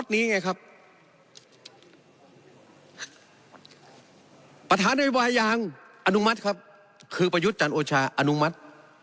แบบนี้ไงครับประธานวิวายางอนุมัติครับคือประยุทธ์จันทร์โอชาอนุมัติ